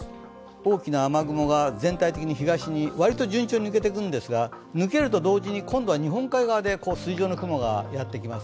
大きな雨雲が全体的に東に、割と順調に抜けてくんですが抜けると同時に今度は日本海側で筋状の雲がやってきます。